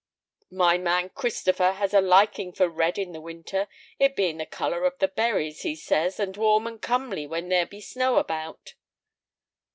My man Christopher has a liking for red in the winter, it being the color of the berries, he says, and warm and comely when there be snow about."